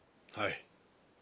はい。